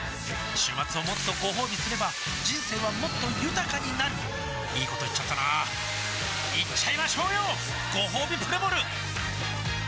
週末をもっとごほうびすれば人生はもっと豊かになるいいこと言っちゃったなーいっちゃいましょうよごほうびプレモル